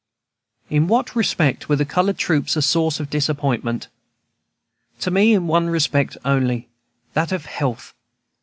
In what respect were the colored troops a source of disappointment? To me in one respect only, that of health.